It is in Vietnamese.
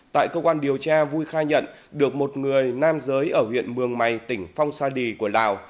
tại cơ quan điều tra vui khai nhận được một người nam giới ở huyện mường mày tỉnh phong sa đi của lào